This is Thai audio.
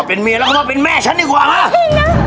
เป็นเมียแล้วก็มาเป็นแม่ฉันดีกว่ามา